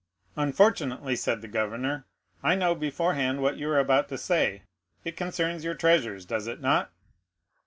"Unfortunately," said the governor, "I know beforehand what you are about to say; it concerns your treasures, does it not?"